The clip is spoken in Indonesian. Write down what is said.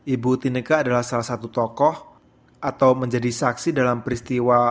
ibu tineka adalah salah satu tokoh atau menjadi saksi dalam peristiwa